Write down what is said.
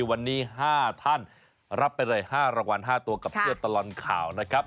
วันนี้๕ท่านรับไปเลย๕รางวัล๕ตัวกับเพื่อนตลอดข่าวนะครับ